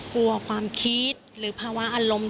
กลัวความคิดหรือภาวะอารมณ์